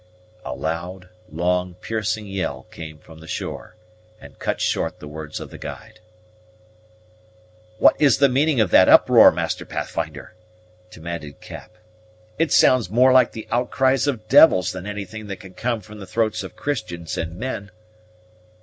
A loud, long, piercing yell came from the shore, and cut short the words of the guide. "What is the meaning of that uproar, Master Pathfinder?" demanded Cap. "It sounds more like the outcries of devils than anything that can come from the throats of Christians and men."